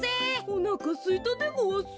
おなかすいたでごわす。